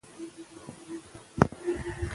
له تاوتریخوالي ډډه وکړئ.